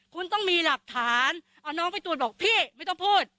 คุณต้องมีหลักฐานเอาน้องไปตรวจบอกพี่ไม่ต้องพูด